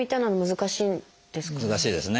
難しいですね。